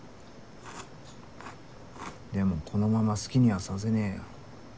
でもこのまま好きにはさせねぇよ。